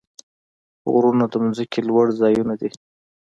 غرونه د ځمکې لوړ ځایونه دي.